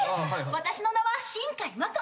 私の名は新海まこ。